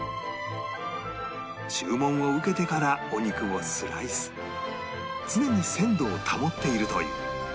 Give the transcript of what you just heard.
注文を受けてからお肉をスライス常に鮮度を保っているという